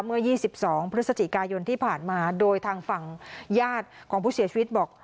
เมื่อ๒๒พฤศจิกายนที่ผ่านมาโดยทางฝั่งญาติของผู้เสียชีวิตบอก